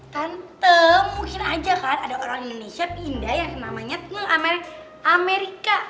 tante mungkin aja kan ada orang indonesia pindah yang namanya tung amerika